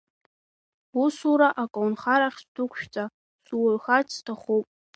Усура аколнхарахь сдәықәшәҵа, суаҩхарц сҭахуп!